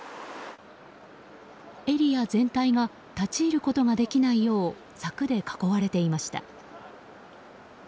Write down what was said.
エリア全体が立ち入ることができないよう柵で囲われていました。